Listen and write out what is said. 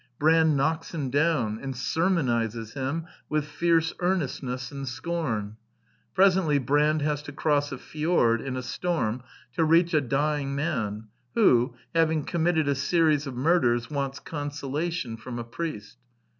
Brand knocks him down, and sermonizes him with fierce earnestness and scorn. Presently Brand has to cross a flord in a storm to reach a dying man who, having conunitted a series of murders, wants ''consolation" from a priest.